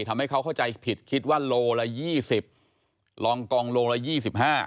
ทำให้เขาเข้าใจผิดคิดว่าโลละยี่สิบลองกองโลละยี่สิบห้า